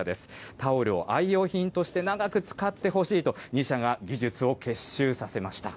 タオルを愛用品として長く使ってほしいと、２社が技術を結集させました。